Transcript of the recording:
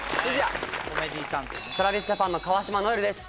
ＴｒａｖｉｓＪａｐａｎの川島如恵留です